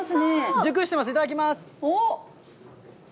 熟してます、いただきます。